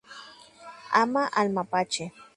Ama al mapache.